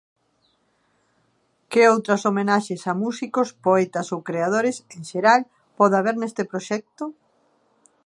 Que outras homenaxes a músicos, poetas ou creadores, en xeral, pode haber neste proxecto?